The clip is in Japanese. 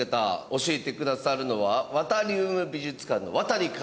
教えてくださるのはワタリウム美術館の和多利館長。